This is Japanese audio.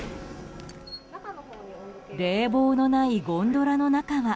冷房のないゴンドラの中は。